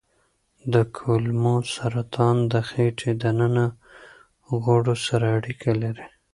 د کولمو سرطان د خېټې دننه غوړو سره اړیکه لري.